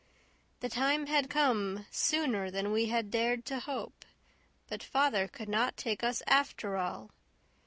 The time had come sooner than we had dared to hope; but father could not take us after all.